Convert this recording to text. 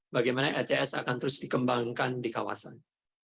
bagaimana acs akan terus dikembangkan di kawasan